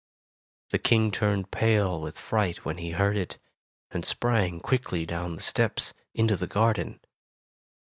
The King turned pale with fright when he heard it, and sprang quickly down the steps, into the garden.